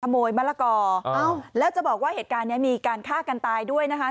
มะละกอแล้วจะบอกว่าเหตุการณ์นี้มีการฆ่ากันตายด้วยนะคะ